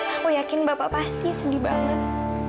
aku yakin bapak pasti sedih banget